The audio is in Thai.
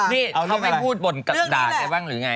เขาไม่พูดบนกับด่าใดบ้างรึไง